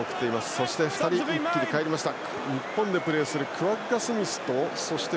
そして２人一気に代えてきた。